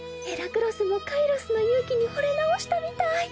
ヘラクロスもカイロスの勇気にほれ直したみたい！